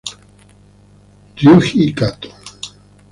Ryuji Kato